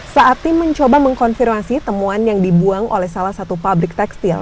saat tim mencoba mengkonfirmasi temuan yang dibuang oleh salah satu pabrik tekstil